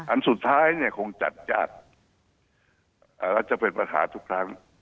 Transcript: อันสุดท้ายเนี่ยคงจัดยากแล้วจะเป็นปัญหาทุกครั้ง